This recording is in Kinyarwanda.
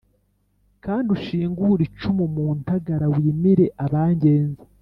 Kandi ushingure icumu mu ntagara wimire abangenza